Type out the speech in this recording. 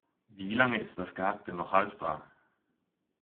Wie lange ist das Gehackte noch haltbar?